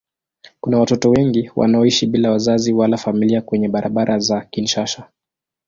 Kuna watoto wengi wanaoishi bila wazazi wala familia kwenye barabara za Kinshasa.